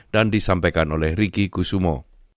dan disampaikan oleh riki kusumo